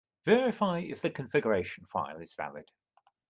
Verify if the configuration file is valid.